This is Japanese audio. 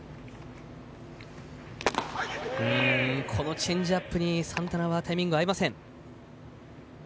チェンジアップにサンタナはタイミングが合いません。